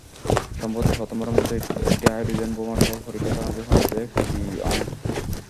সম্প্রতি প্রথমবারের মতো একটি হাইড্রোজেন বোমার সফল পরীক্ষা চালানোর ঘোষণা দেয় পিয়ংইয়ং।